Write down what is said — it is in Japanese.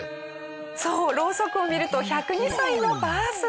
そうろうそくを見ると１０２歳のバースデー。